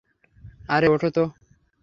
আরে, ওঠো তো!